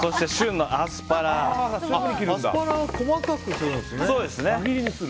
アスパラは細かくするんですね。